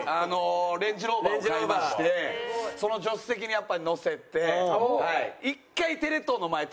レンジ・ローバーを買いましてその助手席にやっぱり乗せて一回。